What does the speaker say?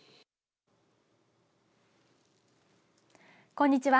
こんにちは。